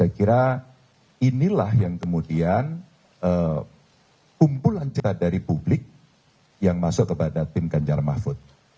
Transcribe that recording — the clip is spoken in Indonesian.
saya kira inilah yang kemudian kumpulan jerat dari publik yang masuk kepada tim ganjar mahfud